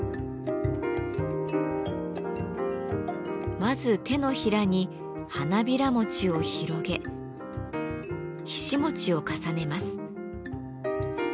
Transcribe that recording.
まず手のひらにはなびら餅を広げひし餅を重ねます。